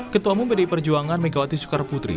ketua mumpedi perjuangan megawati soekar putri